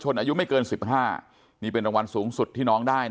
คุณยายบอกว่ารู้สึกเหมือนใครมายืนอยู่ข้างหลัง